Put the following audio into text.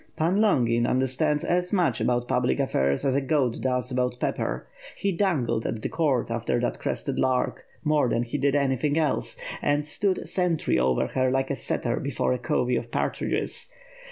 "Pan liongin understands as much about public affairs as a goat does about pepper. lie dangled a| the court after that crested lark, more than he did anything else, and stood sf*ntry over her like a setter before a covey of partridges.